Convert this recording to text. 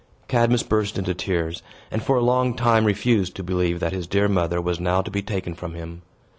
Cadmus burst into tears, and, for a long time, refused to believe that his dear mother was now to be taken from him.